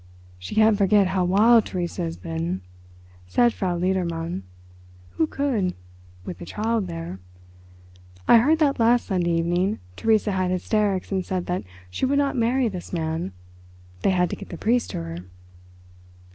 "She can't forget how wild Theresa has been," said Frau Ledermann. "Who could—with the child there? I heard that last Sunday evening Theresa had hysterics and said that she would not marry this man. They had to get the priest to her."